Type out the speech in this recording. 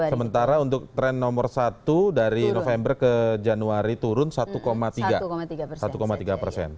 sementara untuk tren nomor satu dari november ke januari turun satu tiga persen